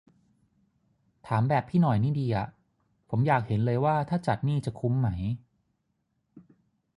ถามแบบพี่หน่อยนี่ดีอะ ผมอยากเห็น เลยว่าถ้าจัดนี่จะคุ้มไหม